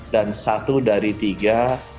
dan satu dari tiga